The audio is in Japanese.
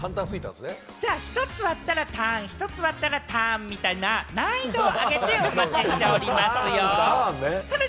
１つ割ったらターン、１つ割ったらターンみたいな難易度を上げてお待ちしておりますよ。